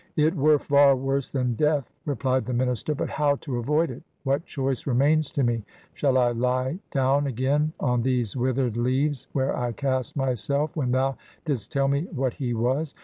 'It were far worse than death!' replied the minister. 'But how to avoid it? What choice remains to me? Shall I Ue down again on these withered leaves, where I cast my self when thou didst tell me what he was?